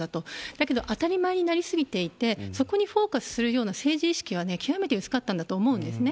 だけど、当たり前になり過ぎていて、そこにフォーカスするような政治意識は極めて薄かったんだと思うんですね。